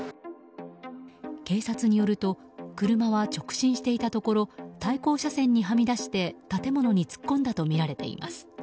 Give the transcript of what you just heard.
警察によると車は直進していたところ対向車線にはみ出して建物に突っ込んだとみられています。